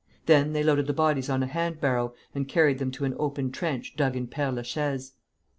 Then they loaded the bodies on a hand barrow and carried them to an open trench dug in Père la Chaise.